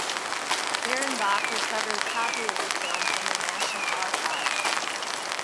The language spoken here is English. Birrenbach, recovered a copy of the film from the National Archives.